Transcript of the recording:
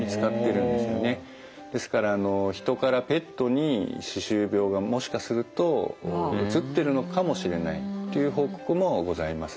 ですからあの人からペットに歯周病がもしかするとうつってるのかもしれないという報告もございます。